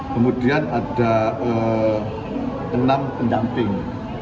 kemudian ada enam pendamping